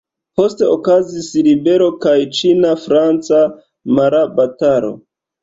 Poste okazis ribelo kaj ĉina-franca mara batalo.